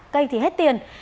cây thì hết tiền